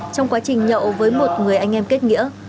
trong quá trình nhậu với một người anh em kết nghĩa